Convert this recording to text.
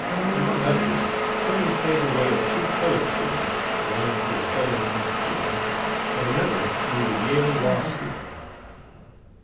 Among others Clemens paid the way of two colored students, one through a Southern institution and another through the Yale law school.